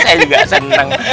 saya juga senang